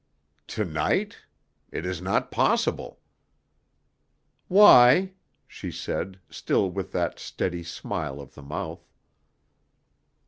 "To night? It is not possible!" "Why?" she said, still with that steady smile of the mouth.